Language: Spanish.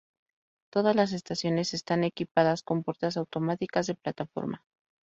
Todas las estaciones están equipadas con puertas automáticas de plataforma.